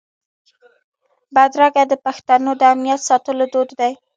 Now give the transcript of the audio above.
بدرګه د پښتنو د امنیت ساتلو دود دی.